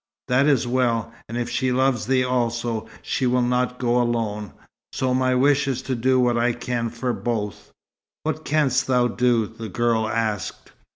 "That is well. And if she loves thee also, she would not go alone; so my wish is to do what I can for both." "What canst thou do?" the girl asked.